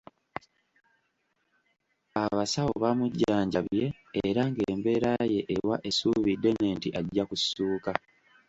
Abasawo bamujjanjabye era ng’embeera ye ewa essuubi ddene nti ajja kussuuka.